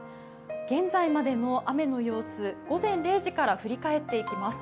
現在までの雨の様子、午前０時から振り返っていきます。